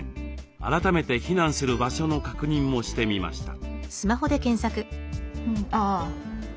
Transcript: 改めて避難する場所の確認もしてみました。